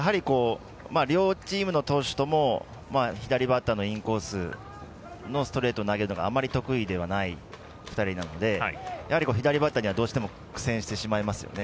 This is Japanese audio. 両チームの投手とも左バッターのインコースのストレートを投げるのあまり得意ではない２人なのでやはり左バッターにはどうしても苦戦してしまいますよね。